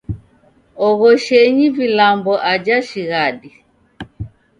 Oghoshenyi vilambo aja shighadi.